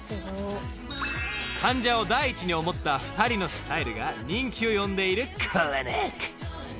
［患者を第一に思った２人のスタイルが人気を呼んでいるクリニック］